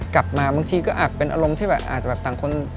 กลับมาบางทีก็อาจเป็นอารมณ์ที่อาจจะต่างคน